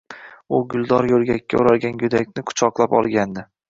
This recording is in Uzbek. U guldor yoʻrgakka oʻralgan goʻdakni quchoqlab olgandi